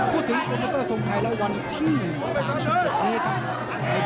พูดถึงโรงโนเมริกาสมไทยแล้ววันที่๓๖เท่ากลับ